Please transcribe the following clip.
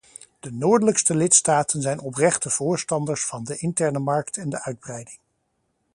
De noordelijkste lidstaten zijn oprechte voorstanders van de interne markt en de uitbreiding.